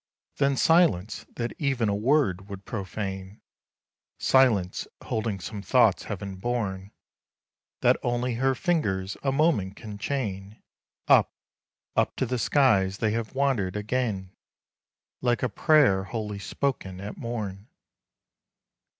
Then silence, that even a word would profane Silence, holding some thoughts heaven born, That only her fingers a moment can chain; Up, up to the skies they have wandered again, Like a prayer holy spoken at morn.